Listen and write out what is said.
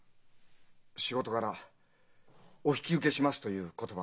仕事柄「お引き受けします」という言葉